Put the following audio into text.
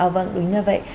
vâng đúng như vậy